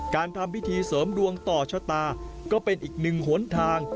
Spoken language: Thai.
ทำพิธีเสริมดวงต่อชะตาก็เป็นอีกหนึ่งหนทาง